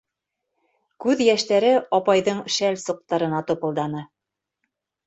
Күҙ йәштәре апайҙың шәл суҡтарына тупылданы.